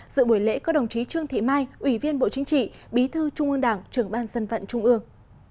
dự buổi lễ có đồng chí trương thị mai ủy viên bộ chính trị bí thư trung ương đảng trưởng ban dân vận trung ương